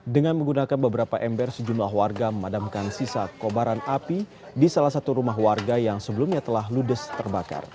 dengan menggunakan beberapa ember sejumlah warga memadamkan sisa kobaran api di salah satu rumah warga yang sebelumnya telah ludes terbakar